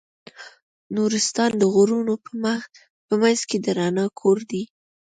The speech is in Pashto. نورستان د غرونو په منځ کې د رڼا کور دی.